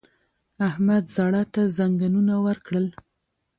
احمد زړه ته زنګنونه ورکړل!